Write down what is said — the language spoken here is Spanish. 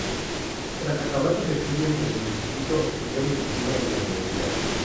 Tras acabar sus estudios en el instituto, estudió Medicina en la universidad.